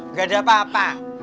gak ada apa apa